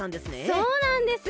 そうなんです！